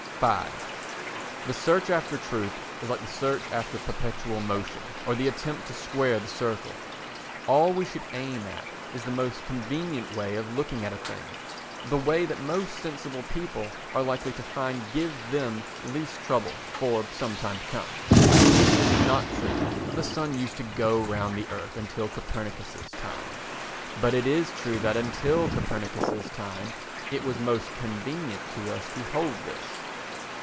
v The search after truth is like the search after perpetual motion or the attempt to square the circle. All we should aim at is the most convenient way of looking at a thing—the way that most sensible people are likely to find give them least trouble for some time to come. It is not true that the sun used to go round the earth until Copernicus's time, but it is true that until Copernicus's time it was most convenient to us to hold this.